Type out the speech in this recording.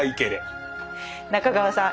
中川さん。